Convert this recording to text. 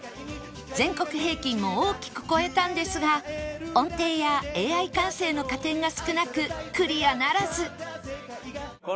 全国平均も大きく超えたんですが音程や Ａｉ 感性の加点が少なくクリアならず